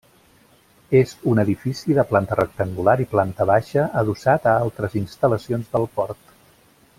És un edifici de planta rectangular i planta baixa adossat a altres instal·lacions del port.